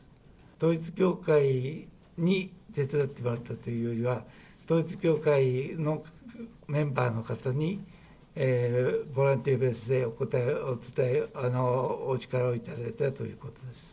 統一教会に手伝ってもらったというよりは、統一教会のメンバーの方に、ボランティアベースでお力をいただいたということです。